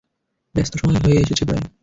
ব্যস্ত সময় হয়ে এসেছে প্রায়।